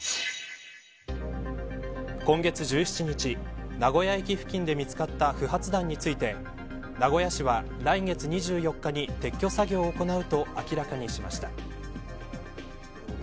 今月１７日、名古屋駅付近で見つかった不発弾について名古屋市は来月２４日に撤去作業を行うと明らかにしました。